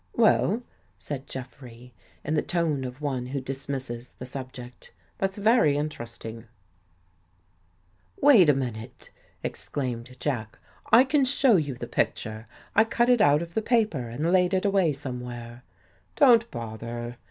" Well," said Jeffrey, In the tone of one who dis misses the subject, " that's very Interesting." 7 THE GHOST GIRL " Walt a minute !" exclaimed Jack. " I can show you the picture. I cut it out of the paper and laid it away somewhere." " Don't bother!